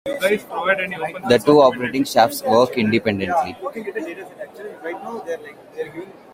The two operating shafts work independently.